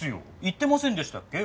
言ってませんでしたっけ？